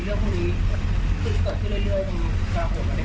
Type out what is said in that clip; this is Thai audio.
พอเราขัดแล้วก็ถึงว่าความทัพ